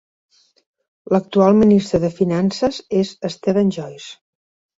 L'actual ministre de Finances es Steven Joyce.